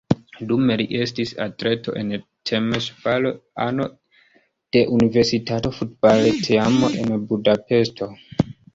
Dume li estis atleto en Temeŝvaro, ano de universitata futbalteamo en Budapeŝto.